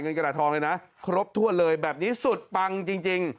เงินกระด่าทองเลยนะครบถ้วนเลยแบบนี้สุดปังจริงจริง